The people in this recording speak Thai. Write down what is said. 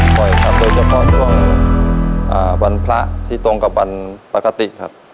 บ่อยครับโดยเฉพาะช่วงวันพระที่ตรงกับวันปกติครับ